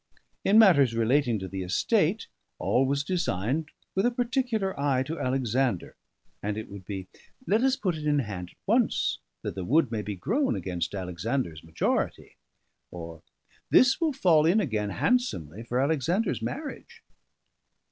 In matters relating to the estate, all was designed with a particular eye to Alexander; and it would be: "Let us put it in hand at once, that the wood may be grown against Alexander's majority"; or, "This will fall in again handsomely for Alexander's marriage."